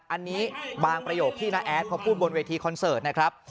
อันนี้บางประโยคที่น้าแอดเขาพูดบนเวทีคอนเสิร์ตนะครับ